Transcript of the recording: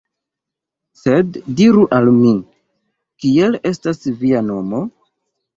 Sed diru al mi, kiel estas via nomo?